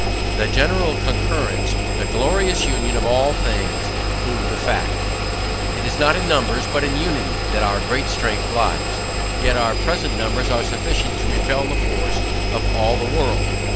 The general concurrence, the glorious union of all things prove the fact. It is not in numbers, but in unity, that our great strength lies; yet our present numbers are sufficient to repel the force of all the world.